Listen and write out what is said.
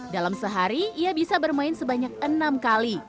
dalam sehari ia bisa bermain sebanyak enam kali